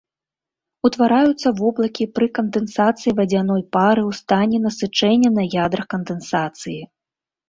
Утвараюцца воблакі пры кандэнсацыі вадзяной пары ў стане насычэння на ядрах кандэнсацыі.